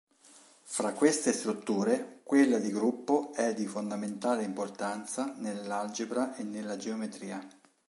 Fra queste strutture, quella di gruppo è di fondamentale importanza nell'algebra e nella geometria.